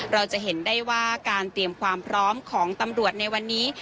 เราจะเห็นได้ว่าการเตรียมความพร้อมของตำรวจในวันนี้